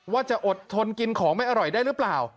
ว่าจะอดทนกินของไม่อร่อยได้หรือเปล่า